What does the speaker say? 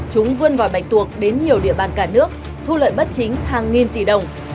chúng vươn vòi bạch tuộc đến nhiều địa bàn cả nước thu lợi bất chính hàng nghìn tỷ đồng